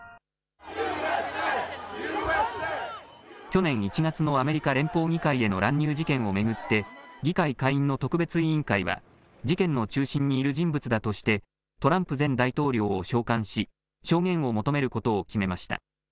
去年１月のアメリカ連邦議会への乱入事件を巡って議会下院の特別委員会は事件の中心にいる人物だとしてトランプ前大統領を召喚し証言を求めることを決めました。